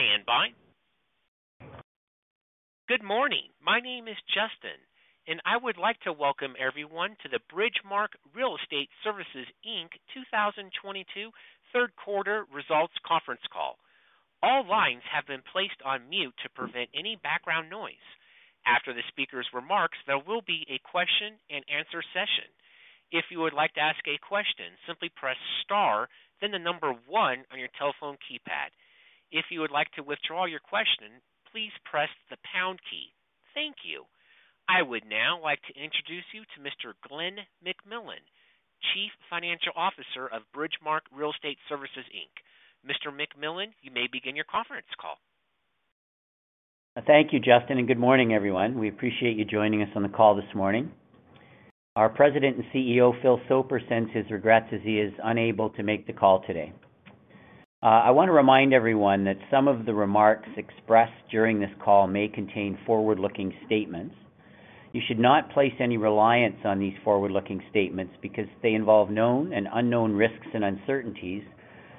Please stand by. Good morning. My name is Justin. I would like to welcome everyone to the Bridgemarq Real Estate Services Inc. 2022 third quarter results conference call. All lines have been placed on mute to prevent any background noise. After the speaker's remarks, there will be a question and answer session. If you would like to ask a question, simply press star then 1 on your telephone keypad. If you would like to withdraw your question, please press the pound key. Thank you. I would now like to introduce you to Mr. Glen McMillan, Chief Financial Officer of Bridgemarq Real Estate Services Inc. Mr. McMillan, you may begin your conference call. Thank you, Justin. Good morning, everyone. We appreciate you joining us on the call this morning. Our President and CEO, Phil Soper, sends his regrets as he is unable to make the call today. I want to remind everyone that some of the remarks expressed during this call may contain forward-looking statements. You should not place any reliance on these forward-looking statements because they involve known and unknown risks and uncertainties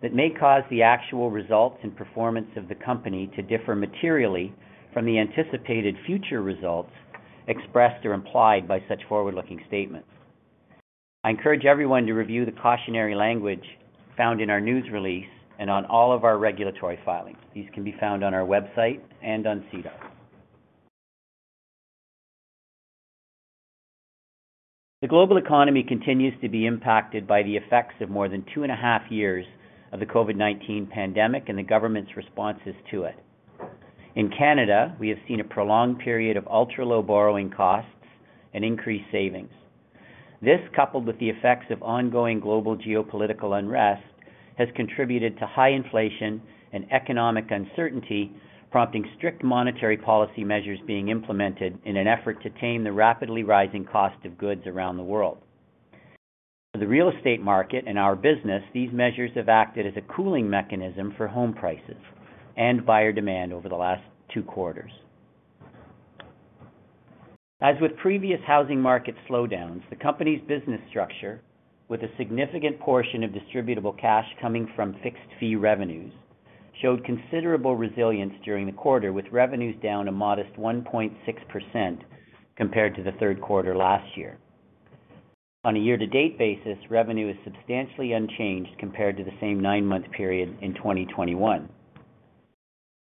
that may cause the actual results and performance of the company to differ materially from the anticipated future results expressed or implied by such forward-looking statements. I encourage everyone to review the cautionary language found in our news release and on all of our regulatory filings. These can be found on our website and on SEDAR. The global economy continues to be impacted by the effects of more than two and a half years of the COVID-19 pandemic and the government's responses to it. In Canada, we have seen a prolonged period of ultra-low borrowing costs and increased savings. This, coupled with the effects of ongoing global geopolitical unrest, has contributed to high inflation and economic uncertainty, prompting strict monetary policy measures being implemented in an effort to tame the rapidly rising cost of goods around the world. For the real estate market and our business, these measures have acted as a cooling mechanism for home prices and buyer demand over the last two quarters. As with previous housing market slowdowns, the company's business structure, with a significant portion of distributable cash coming from fixed-fee revenues, showed considerable resilience during the quarter, with revenues down a modest 1.6% compared to the third quarter last year. On a year-to-date basis, revenue is substantially unchanged compared to the same nine-month period in 2021.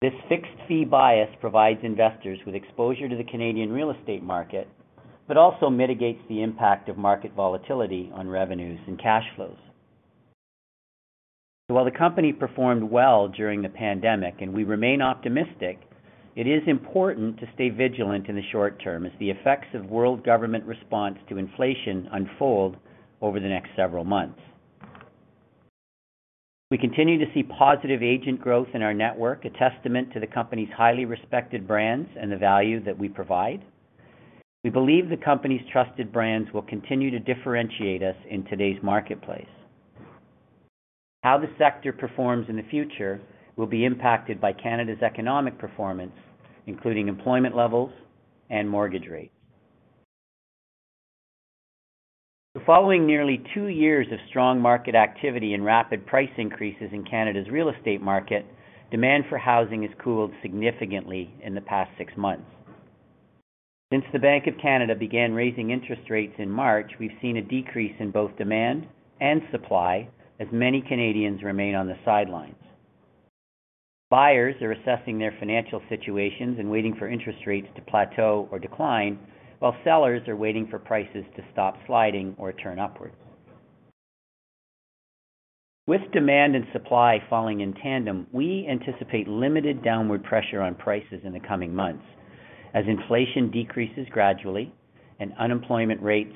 This fixed-fee bias provides investors with exposure to the Canadian real estate market. It also mitigates the impact of market volatility on revenues and cash flows. While the company performed well during the pandemic, we remain optimistic. It is important to stay vigilant in the short term as the effects of world government response to inflation unfold over the next several months. We continue to see positive agent growth in our network, a testament to the company's highly respected brands and the value that we provide. We believe the company's trusted brands will continue to differentiate us in today's marketplace. How the sector performs in the future will be impacted by Canada's economic performance, including employment levels and mortgage rates. Following nearly two years of strong market activity and rapid price increases in Canada's real estate market, demand for housing has cooled significantly in the past six months. Since the Bank of Canada began raising interest rates in March, we've seen a decrease in both demand and supply as many Canadians remain on the sidelines. Buyers are assessing their financial situations and waiting for interest rates to plateau or decline while sellers are waiting for prices to stop sliding or turn upward. With demand and supply falling in tandem, we anticipate limited downward pressure on prices in the coming months as inflation decreases gradually and unemployment rates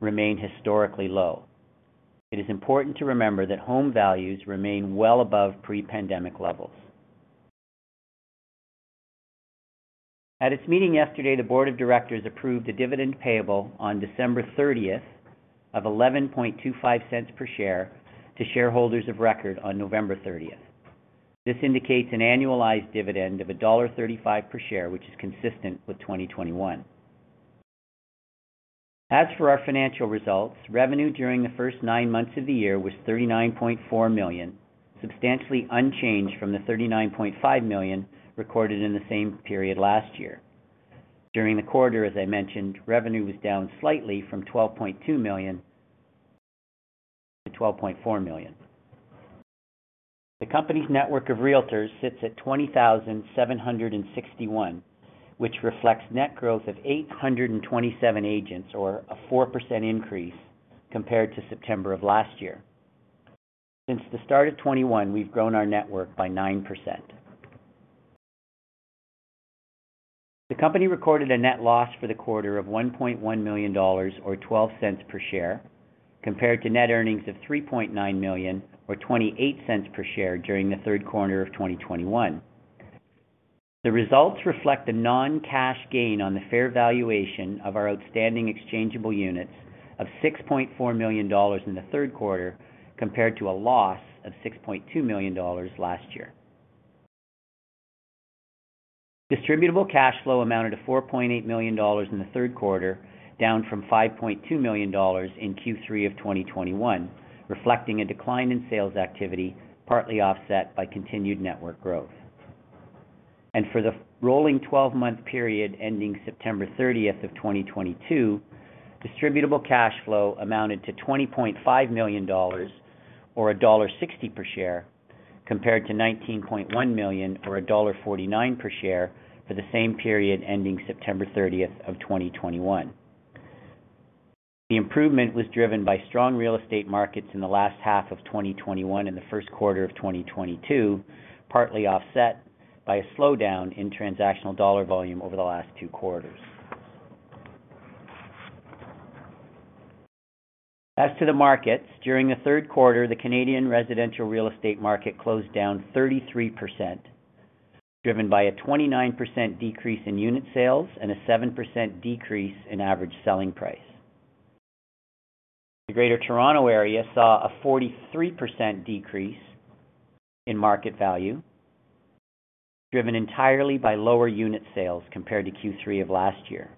remain historically low. It is important to remember that home values remain well above pre-COVID-19 levels. At its meeting yesterday, the board of directors approved a dividend payable on December 30th of 0.1125 per share to shareholders of record on November 30th. This indicates an annualized dividend of dollar 1.35 per share, which is consistent with 2021. As for our financial results, revenue during the first nine months of the year was 39.4 million, substantially unchanged from the 39.5 million recorded in the same period last year. During the quarter, as I mentioned, revenue was down slightly from 12.4 million to 12.2 million. The company's network of realtors sits at 20,761, which reflects net growth of 827 agents or a 4% increase compared to September of 2021. Since the start of 2021, we've grown our network by 9%. The company recorded a net loss for the quarter of 1.1 million dollars or 0.12 per share compared to net earnings of 3.9 million or 0.28 per share during the third quarter of 2021. The results reflect a non-cash gain on the fair valuation of our outstanding exchangeable units of 6.4 million dollars in the third quarter compared to a loss of 6.2 million dollars last year. Distributable cash flow amounted to 4.8 million dollars in the third quarter, down from 5.2 million dollars in Q3 of 2021, reflecting a decline in sales activity, partly offset by continued network growth. For the rolling 12-month period ending September 30th of 2022, distributable cash flow amounted to 20.5 million dollars, or dollar 1.60 per share, compared to 19.1 million or dollar 1.49 per share for the same period ending September 30th of 2021. The improvement was driven by strong real estate markets in the last half of 2021 and the first quarter of 2022, partly offset by a slowdown in transactional dollar volume over the last two quarters. As to the markets, during the third quarter, the Canadian residential real estate market closed down 33%, driven by a 29% decrease in unit sales and a 7% decrease in average selling price. The Greater Toronto Area saw a 43% decrease in market value, driven entirely by lower unit sales compared to Q3 of 2021.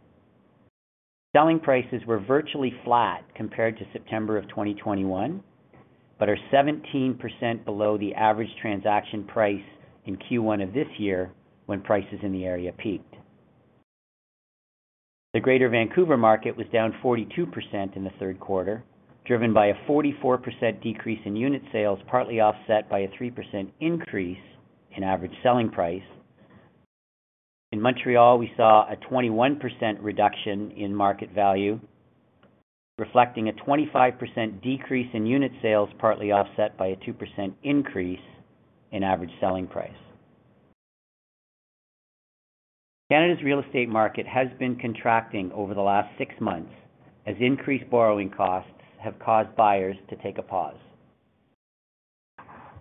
Selling prices were virtually flat compared to September of 2021, but are 17% below the average transaction price in Q1 of 2022, when prices in the area peaked. The Greater Vancouver market was down 42% in the third quarter, driven by a 44% decrease in unit sales, partly offset by a 3% increase in average selling price. In Montreal, we saw a 21% reduction in market value, reflecting a 25% decrease in unit sales, partly offset by a 2% increase in average selling price. Canada's real estate market has been contracting over the last six months, as increased borrowing costs have caused buyers to take a pause.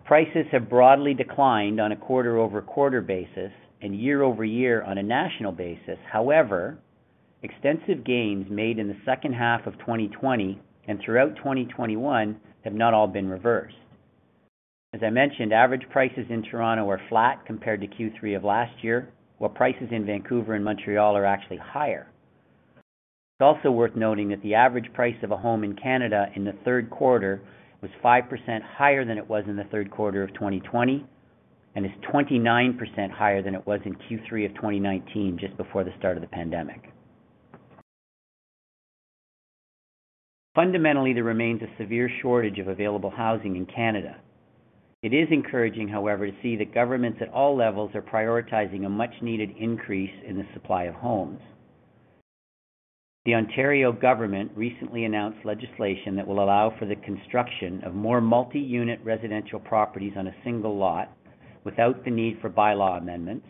Prices have broadly declined on a quarter-over-quarter basis and year-over-year on a national basis. However, extensive gains made in the second half of 2020 and throughout 2021 have not all been reversed. As I mentioned, average prices in Toronto are flat compared to Q3 of last year, while prices in Vancouver and Montreal are actually higher. It's also worth noting that the average price of a home in Canada in the third quarter was 5% higher than it was in the third quarter of 2020 and is 29% higher than it was in Q3 of 2019, just before the start of the pandemic. Fundamentally, there remains a severe shortage of available housing in Canada. It is encouraging, however, to see that governments at all levels are prioritizing a much-needed increase in the supply of homes. The Ontario government recently announced legislation that will allow for the construction of more multi-unit residential properties on a single lot without the need for bylaw amendments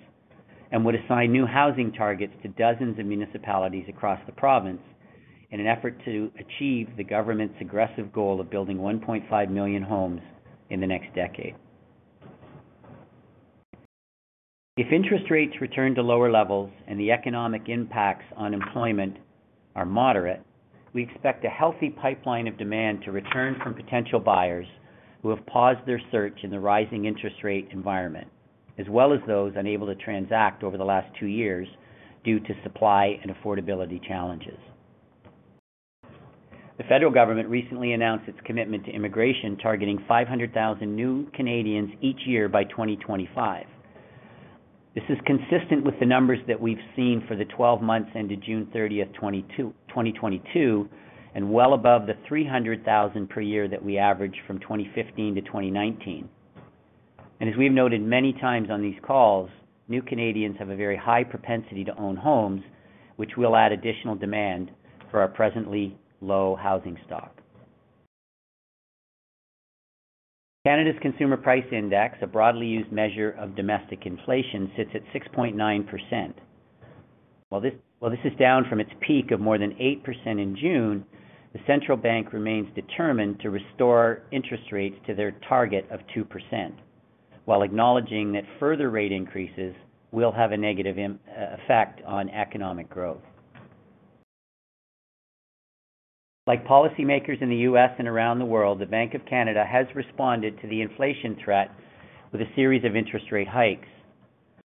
and would assign new housing targets to dozens of municipalities across the province in an effort to achieve the government's aggressive goal of building 1.5 million homes in the next decade. If interest rates return to lower levels and the economic impacts on employment are moderate, we expect a healthy pipeline of demand to return from potential buyers who have paused their search in the rising interest rate environment, as well as those unable to transact over the last two years due to supply and affordability challenges. The federal government recently announced its commitment to immigration, targeting 500,000 new Canadians each year by 2025. This is consistent with the numbers that we've seen for the 12 months ended June 30th, 2022, and well above the 300,000 per year that we averaged from 2015 to 2019. As we've noted many times on these calls, new Canadians have a very high propensity to own homes, which will add additional demand for our presently low housing stock. Canada's Consumer Price Index, a broadly used measure of domestic inflation, sits at 6.9%. While this is down from its peak of more than 8% in June, the central bank remains determined to restore interest rates to their target of 2%, while acknowledging that further rate increases will have a negative effect on economic growth. Like policymakers in the U.S. and around the world, the Bank of Canada has responded to the inflation threat with a series of interest rate hikes.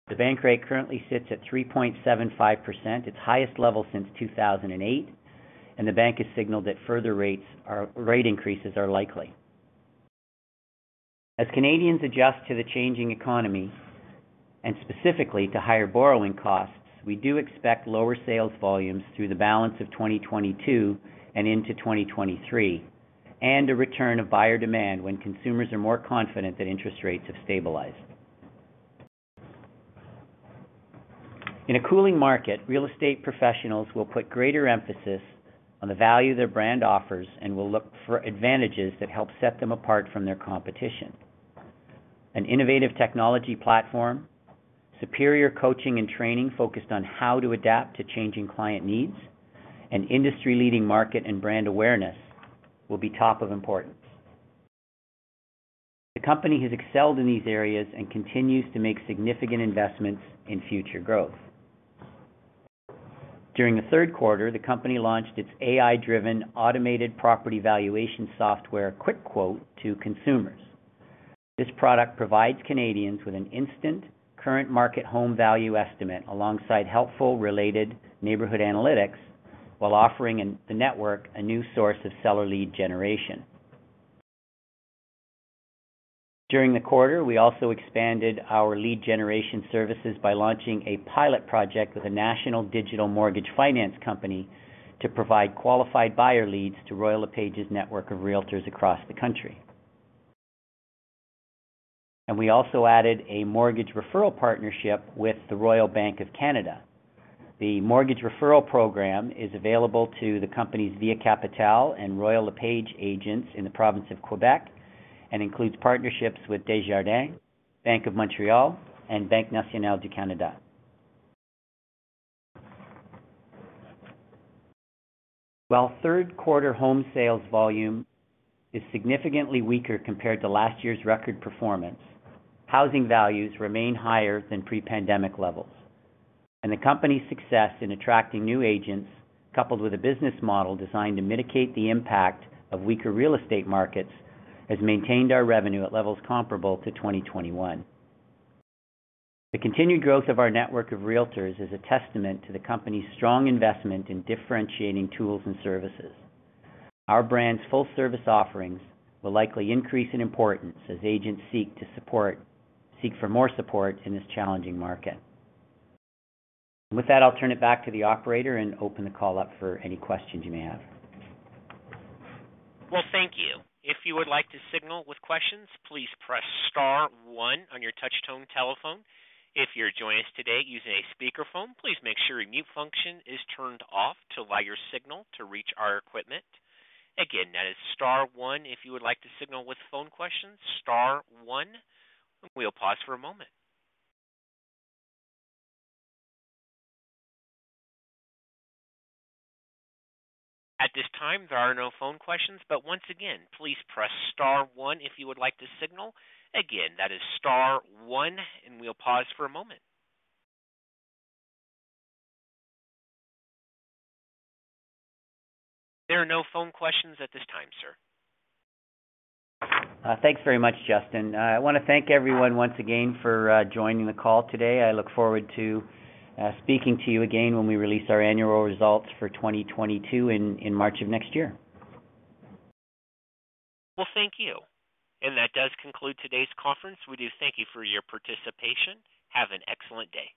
The bank rate currently sits at 3.75%, its highest level since 2008, and the bank has signaled that further rate increases are likely. As Canadians adjust to the changing economy, and specifically to higher borrowing costs, we do expect lower sales volumes through the balance of 2022 and into 2023, and a return of buyer demand when consumers are more confident that interest rates have stabilized. In a cooling market, real estate professionals will put greater emphasis on the value their brand offers and will look for advantages that help set them apart from their competition. An innovative technology platform, superior coaching and training focused on how to adapt to changing client needs, and industry-leading market and brand awareness will be top of importance. The company has excelled in these areas and continues to make significant investments in future growth. During the third quarter, the company launched its AI-driven automated property valuation software, Quick Quote, to consumers. This product provides Canadians with an instant current market home value estimate alongside helpful related neighborhood analytics while offering the network a new source of seller lead generation. During the quarter, we also expanded our lead generation services by launching a pilot project with a national digital mortgage finance company to provide qualified buyer leads to Royal LePage's network of REALTORS across the country. We also added a mortgage referral partnership with the Royal Bank of Canada. The mortgage referral program is available to the company's Via Capitale and Royal LePage agents in the province of Quebec and includes partnerships with Desjardins, Bank of Montreal, and Banque Nationale du Canada. Well, thank you. While third quarter home sales volume is significantly weaker compared to last year's record performance, housing values remain higher than pre-pandemic levels. The company's success in attracting new agents, coupled with a business model designed to mitigate the impact of weaker real estate markets, has maintained our revenue at levels comparable to 2021. The continued growth of our network of REALTORS is a testament to the company's strong investment in differentiating tools and services. Our brand's full-service offerings will likely increase in importance as agents seek for more support in this challenging market. With that, I'll turn it back to the operator and open the call up for any questions you may have. Well, thank you. If you would like to signal with questions, please press star one on your touchtone telephone. If you're joining us today using a speakerphone, please make sure your mute function is turned off to allow your signal to reach our equipment. Again, that is star one if you would like to signal with phone questions, star one. We'll pause for a moment. At this time, there are no phone questions, but once again, please press star one if you would like to signal. Again, that is star one, and we'll pause for a moment. There are no phone questions at this time, sir. Thanks very much, Justin. I want to thank everyone once again for joining the call today. I look forward to speaking to you again when we release our annual results for 2022 in March of next year. Well, thank you. That does conclude today's conference. We do thank you for your participation. Have an excellent day.